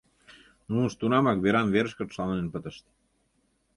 Нунышт тунамак веран-верышкышт шаланен пытышт.